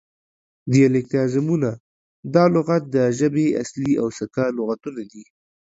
دیالیکتیزمونه: دا لغات د ژبې اصلي او سکه لغتونه دي